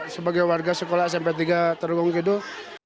sebagai warga sekolah smp tiga terwung kidul